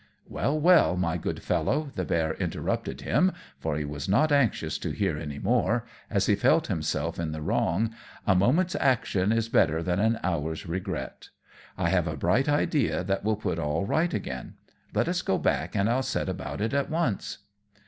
"Well, well, my good Fellow," the Bear interrupted him, for he was not anxious to hear any more, as he felt himself in the wrong, "a moment's action is better than an hour's regret. I have a bright idea that will put all right again. Let us go back, and I'll set about it at once."